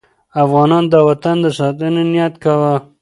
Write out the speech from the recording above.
افغانان د وطن د ساتنې نیت کاوه.